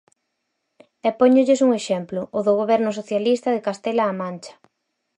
E póñolles un exemplo, o do Goberno socialista de Castela-A Mancha.